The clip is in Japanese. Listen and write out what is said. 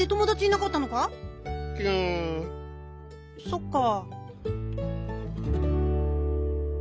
そっか。